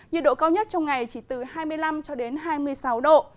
nhiệt độ cao nhất trong ngày chỉ từ hai mươi năm hai mươi sáu độ